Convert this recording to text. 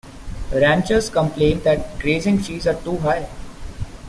Ranchers complain that grazing fees are too high.